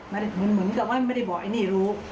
เหมือนกับว่าไม่ได้บอกไอ้นี่รู้